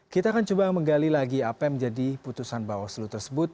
kita akan coba menggali lagi apa yang menjadi putusan bawaslu tersebut